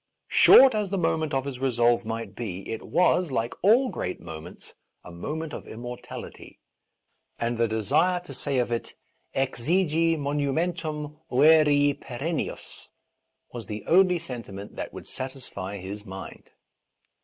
Short as the moment of his resolve might be, it was, like all great mo ^ ments, a moment of immortality, and the desire to say of. it exegi monumentum cere perennius was the only sentiment that would satisfy his mind.